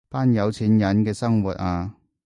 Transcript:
班有錢人嘅生活啊